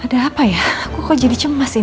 aduh ada apa ya aku kok jadi cemas ini